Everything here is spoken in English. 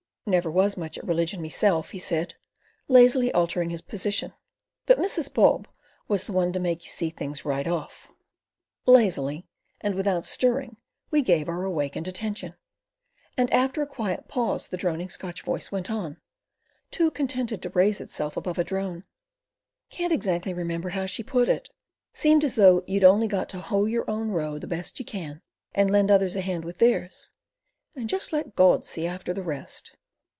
"Never was much at religion meself," he said, lazily altering his position, "but Mrs. Bob was the one to make you see things right off." Lazily and without stirring we gave our awakened attention, and after a quiet pause the droning Scotch voice went on, too contented to raise itself above a drone: "Can't exactly remember how she put it; seemed as though you'd only got to hoe your own row the best you can, and lend others a hand with theirs, and just let God see after the rest."